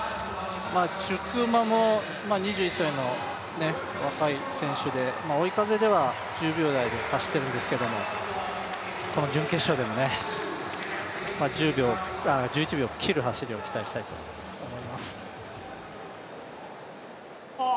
チュクウマも２１歳の若い選手で追い風では１０秒台で走ってるんですけどもこの準決勝でも１１秒切る走りを期待したいと思います。